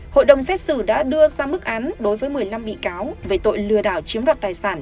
hội đồng xét xử đã đưa ra mức án đối với một mươi năm bị cáo về tội lừa đảo chiếm đoạt tài sản